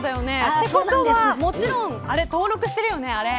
てことは、もちろんあれ登録してるよね。